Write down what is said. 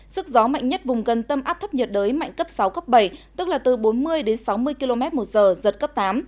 sức gió mạnh nhất vùng gần tâm áp thấp nhiệt đới mạnh cấp sáu cấp bảy tức là từ bốn mươi đến sáu mươi km một giờ giật cấp tám